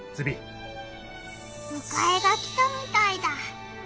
むかえが来たみたいだ。